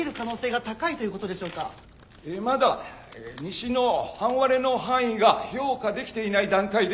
えまだ西の半割れの範囲が評価できていない段階でえ